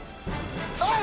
「はい！